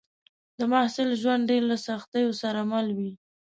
د محصل ژوند ډېر له سختیو سره مل وي